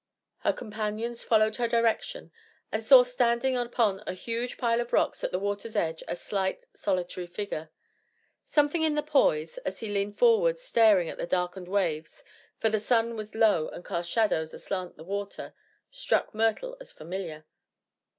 Her companions followed her direction and saw standing upon a huge pile of rocks at the water's edge a slight, solitary figure. Something in the poise, as he leaned forward staring at the darkened waves for the sun was low and cast shadows aslant the water struck Myrtle as familiar.